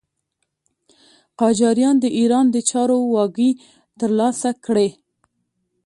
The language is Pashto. قاجاریان د ایران د چارو واګې تر لاسه کړې.